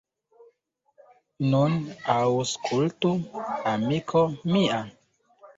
Nun aŭskultu, amiko mia.